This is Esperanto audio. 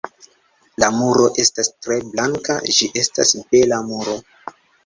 La muro estas tre blanka, ĝi estas bela muro.